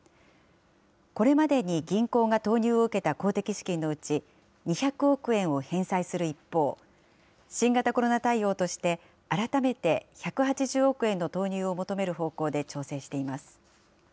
これまでに銀行が投入を受けた公的資金のうち、２００億円を返済する一方、新型コロナ対応として、改めて１８０億円の投入を求める方向で調整しています。